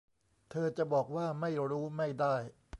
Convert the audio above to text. เธอจะบอกว่าไม่รู้ไม่ได้